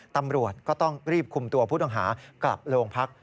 ตำรวจก็ต้องรีบคุมตัวผู้ต้องหากลับโรงพัก